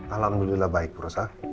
alhamdulillah baik bu rosa